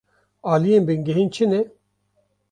Aliyên bingehîn çi ne?